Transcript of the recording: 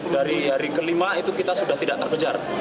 dari hari kelima itu kita sudah tidak terkejar